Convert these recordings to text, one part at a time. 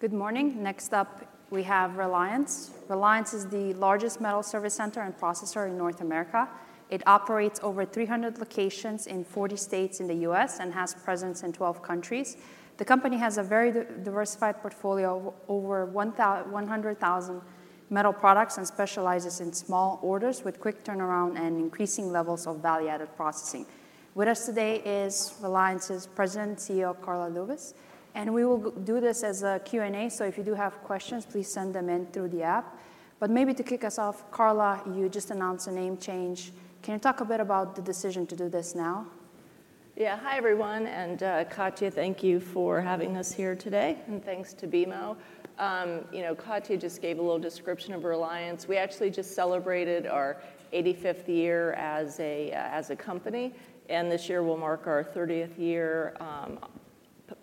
Good morning. Next up, we have Reliance. Reliance is the largest metal service center and processor in North America. It operates over 300 locations in 40 states in the U.S., and has a presence in 12 countries. The company has a very diversified portfolio of over 100,000 metal products, and specializes in small orders with quick turnaround and increasing levels of value-added processing. With us today is Reliance's President and CEO, Karla Lewis, and we will do this as a Q&A, so if you do have questions, please send them in through the app. But maybe to kick us off, Karla, you just announced a name change. Can you talk a bit about the decision to do this now? Yeah. Hi, everyone, and, Katja, thank you for having us here today, and thanks to BMO. You know, Katja just gave a little description of Reliance. We actually just celebrated our 85th year as a company, and this year we'll mark our 30th year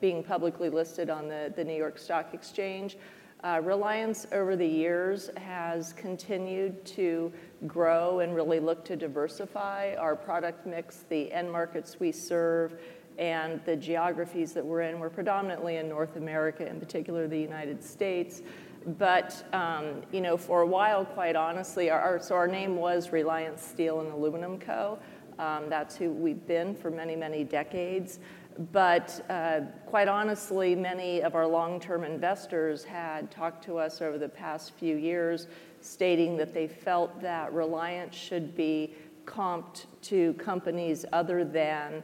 being publicly listed on the New York Stock Exchange. Reliance, over the years, has continued to grow and really look to diversify our product mix, the end markets we serve, and the geographies that we're in. We're predominantly in North America, in particular the United States, but, you know, for a while, quite honestly, our. So our name was Reliance Steel & Aluminum Co. That's who we've been for many, many decades. Quite honestly, many of our long-term investors had talked to us over the past few years, stating that they felt that Reliance should be comped to companies other than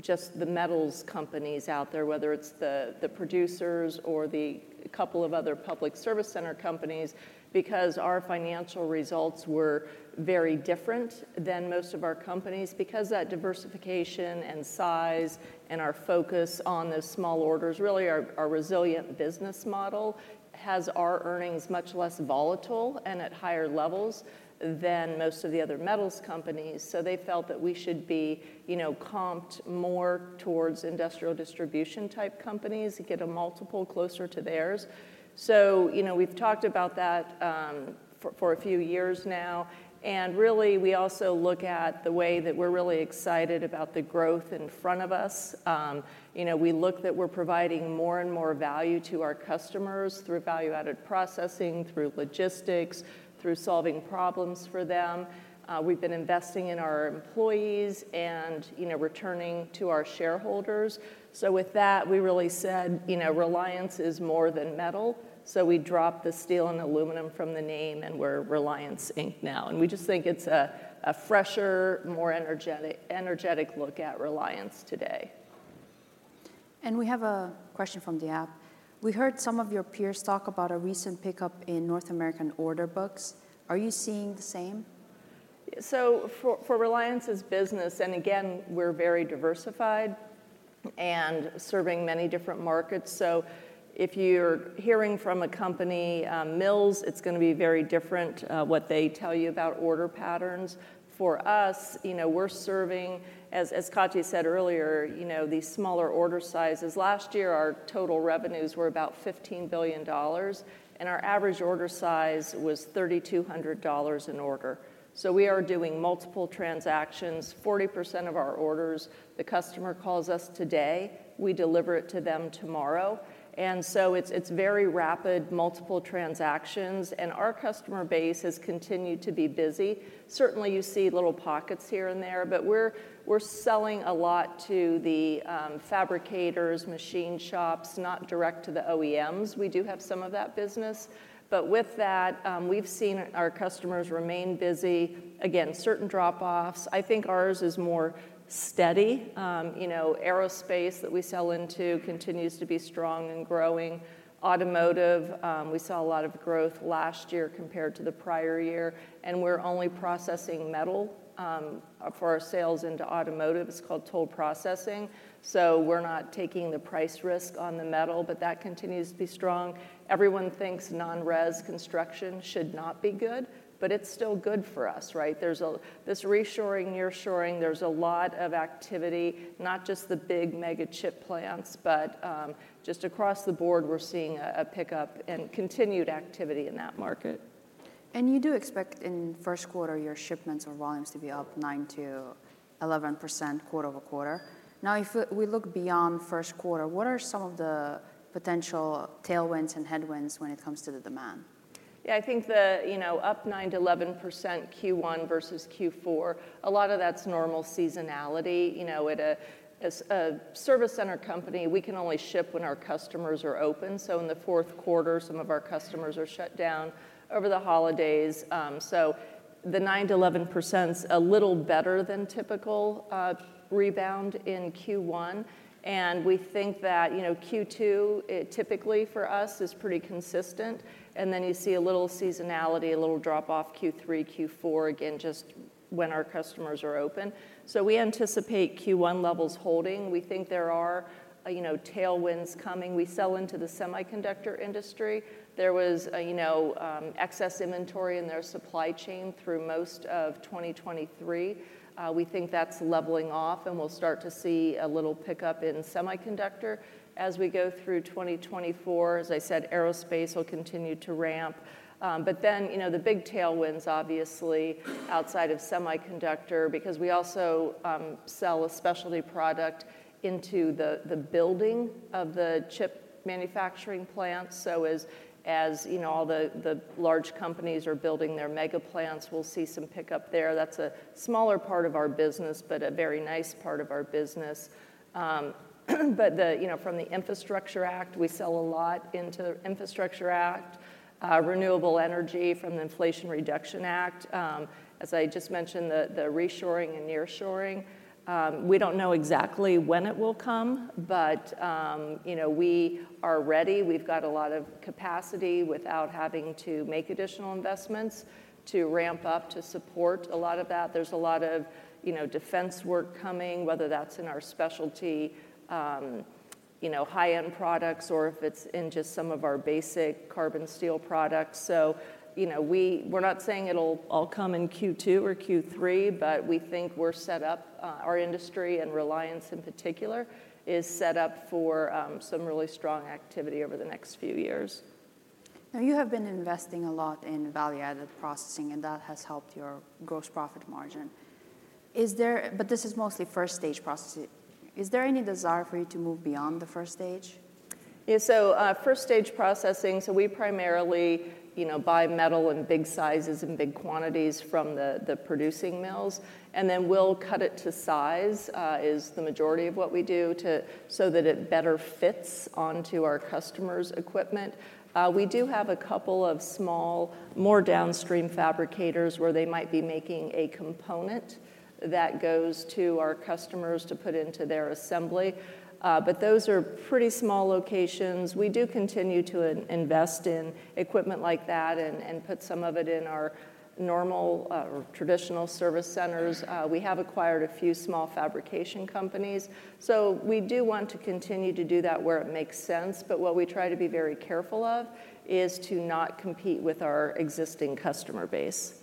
just the metals companies out there, whether it's the producers or the couple of other public service center companies, because our financial results were very different than most of our companies. Because that diversification and size and our focus on those small orders, really our resilient business model, has our earnings much less volatile and at higher levels than most of the other metals companies. So they felt that we should be, you know, comped more towards industrial distribution-type companies to get a multiple closer to theirs. So, you know, we've talked about that for a few years now, and really, we also look at the way that we're really excited about the growth in front of us. You know, we look that we're providing more and more value to our customers through value-added processing, through logistics, through solving problems for them. We've been investing in our employees and, you know, returning to our shareholders. So with that, we really said, you know, "Reliance is more than metal," so we dropped the Steel & Aluminum from the name, and we're Reliance Inc. now, and we just think it's a fresher, more energetic look at Reliance today. We have a question from the app: We heard some of your peers talk about a recent pickup in North American order books. Are you seeing the same? So for Reliance's business, and again, we're very diversified and serving many different markets, so if you're hearing from a company, mills, it's gonna be very different, what they tell you about order patterns. For us, you know, we're serving, as Katja said earlier, you know, these smaller order sizes. Last year, our total revenues were about $15 billion, and our average order size was $3,200 an order. So we are doing multiple transactions. 40% of our orders, the customer calls us today, we deliver it to them tomorrow, and so it's very rapid, multiple transactions, and our customer base has continued to be busy. Certainly, you see little pockets here and there, but we're selling a lot to the fabricators, machine shops, not direct to the OEMs. We do have some of that business, but with that, we've seen our customers remain busy. Again, certain drop-offs. I think ours is more steady. You know, aerospace that we sell into continues to be strong and growing. Automotive, we saw a lot of growth last year compared to the prior year, and we're only processing metal for our sales into automotive. It's called toll processing, so we're not taking the price risk on the metal, but that continues to be strong. Everyone thinks non-res construction should not be good, but it's still good for us, right? There's this reshoring, nearshoring, there's a lot of activity, not just the big mega chip plants, but just across the board, we're seeing a pickup and continued activity in that market. And you do expect in Q1, your shipments or volumes to be up 9%-11% quarter-over-quarter. Now, if we look beyond Q1, what are some of the potential tailwinds and headwinds when it comes to the demand? Yeah, I think the, you know, up 9%-11% Q1 versus Q4, a lot of that's normal seasonality. You know, as a service center company, we can only ship when our customers are open. So in the Q4, some of our customers are shut down over the holidays. So the 9%-11% is a little better than typical rebound in Q1, and we think that, you know, Q2, it typically for us is pretty consistent, and then you see a little seasonality, a little drop-off Q3, Q4, again, just when our customers are open. So we anticipate Q1 levels holding. We think there are, you know, tailwinds coming. We sell into the semiconductor industry. There was, you know, excess inventory in their supply chain through most of 2023. We think that's leveling off, and we'll start to see a little pickup in semiconductor as we go through 2024. As I said, aerospace will continue to ramp. But then, you know, the big tailwind's obviously outside of semiconductor, because we also sell a specialty product into the building of the chip manufacturing plant. So as you know, all the large companies are building their mega plants, we'll see some pickup there. That's a smaller part of our business, but a very nice part of our business. But the, you know, from the Infrastructure Act, we sell a lot into the Infrastructure Act, renewable energy from the Inflation Reduction Act. As I just mentioned, the reshoring and nearshoring, we don't know exactly when it will come, but you know, we are ready. We've got a lot of capacity without having to make additional investments to ramp up to support a lot of that. There's a lot of, you know, defense work coming, whether that's in our specialty, you know, high-end products or if it's in just some of our basic carbon steel products. So, you know, we're not saying it'll all come in Q2 or Q3, but we think we're set up, our industry, and Reliance in particular, is set up for some really strong activity over the next few years. Now, you have been investing a lot in value-added processing, and that has helped your gross profit margin. But this is mostly first-stage processing. Is there any desire for you to move beyond the first stage? Yeah, so first-stage processing, so we primarily, you know, buy metal in big sizes and big quantities from the producing mills, and then we'll cut it to size is the majority of what we do so that it better fits onto our customers' equipment. We do have a couple of small, more downstream fabricators, where they might be making a component that goes to our customers to put into their assembly. But those are pretty small locations. We do continue to invest in equipment like that and put some of it in our normal or traditional service centers. We have acquired a few small fabrication companies. So we do want to continue to do that where it makes sense, but what we try to be very careful of is to not compete with our existing customer base.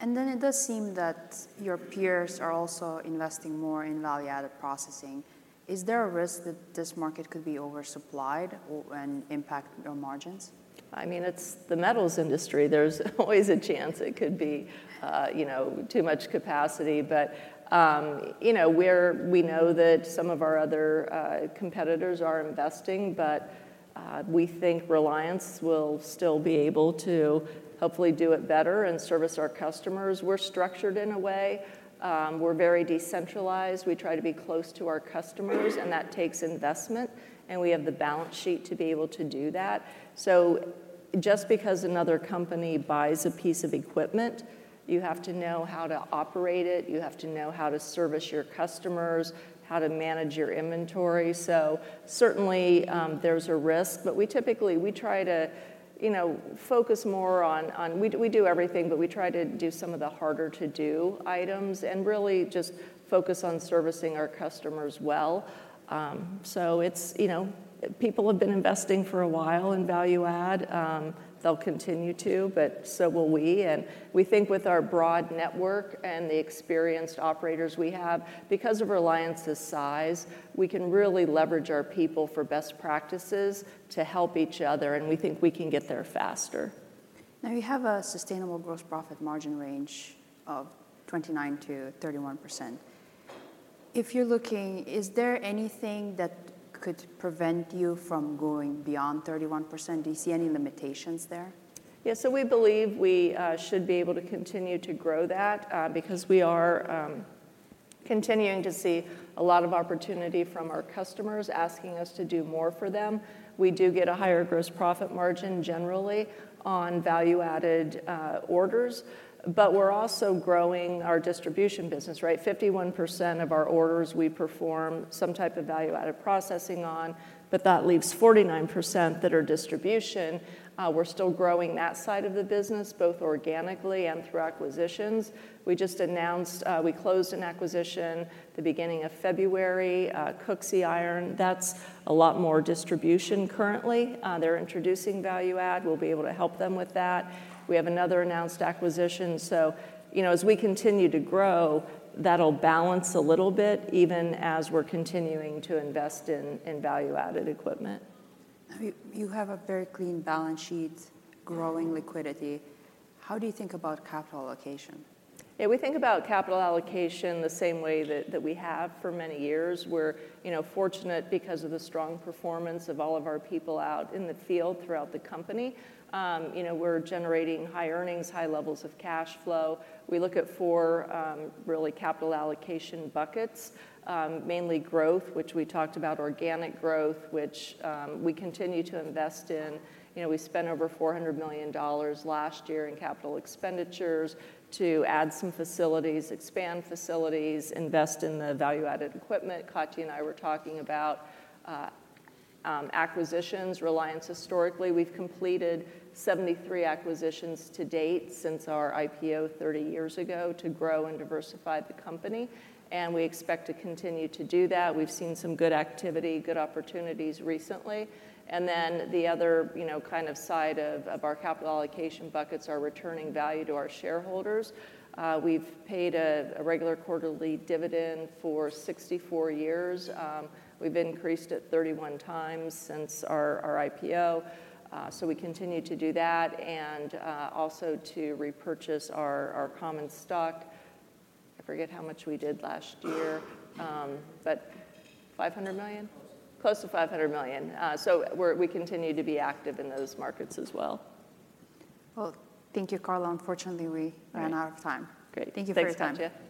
And then it does seem that your peers are also investing more in value-added processing. Is there a risk that this market could be oversupplied or and impact your margins? I mean, it's the metals industry. There's always a chance it could be, you know, too much capacity. But, you know, we know that some of our other competitors are investing, but, we think Reliance will still be able to hopefully do it better and service our customers. We're structured in a way, we're very decentralized. We try to be close to our customers, and that takes investment, and we have the balance sheet to be able to do that. So just because another company buys a piece of equipment, you have to know how to operate it, you have to know how to service your customers, how to manage your inventory. So certainly, there's a risk, but we typically, we try to, you know, focus more on, on... We do everything, but we try to do some of the harder-to-do items and really just focus on servicing our customers well. So it's, you know, people have been investing for a while in value add. They'll continue to, but so will we, and we think with our broad network and the experienced operators we have, because of Reliance's size, we can really leverage our people for best practices to help each other, and we think we can get there faster. Now, you have a sustainable gross profit margin range of 29%-31%. If you're looking, is there anything that could prevent you from going beyond 31%? Do you see any limitations there? Yeah, so we believe we should be able to continue to grow that because we are continuing to see a lot of opportunity from our customers asking us to do more for them. We do get a higher gross profit margin generally on value-added orders, but we're also growing our distribution business, right? 51% of our orders we perform some type of value-added processing on, but that leaves 49% that are distribution. We're still growing that side of the business, both organically and through acquisitions. We just announced we closed an acquisition the beginning of February, Cooksey Iron. That's a lot more distribution currently. They're introducing value add. We'll be able to help them with that. We have another announced acquisition, so, you know, as we continue to grow, that'll balance a little bit, even as we're continuing to invest in value-added equipment. You have a very clean balance sheet, growing liquidity. How do you think about capital allocation? Yeah, we think about capital allocation the same way that we have for many years. We're, you know, fortunate because of the strong performance of all of our people out in the field throughout the company. You know, we're generating high earnings, high levels of cash flow. We look at four really capital allocation buckets. Mainly growth, which we talked about, organic growth, which we continue to invest in. You know, we spent over $400 million last year in capital expenditures to add some facilities, expand facilities, invest in the value-added equipment. Katja and I were talking about acquisitions. Reliance historically, we've completed 73 acquisitions to date since our IPO thirty years ago, to grow and diversify the company, and we expect to continue to do that. We've seen some good activity, good opportunities recently. And then the other, you know, kind of side of, of our capital allocation buckets are returning value to our shareholders. We've paid a, a regular quarterly dividend for 64 years. We've increased it 31 times since our, our IPO, so we continue to do that, and, also to repurchase our, our common stock. I forget how much we did last year, but $500 million? Close. Close to $500 million. So we continue to be active in those markets as well. Well, thank you, Karla. Unfortunately, we ran out of time. Great. Thank you for your time. Thanks, Katja.